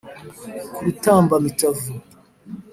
ku rutambamitavu,